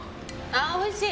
おいしい！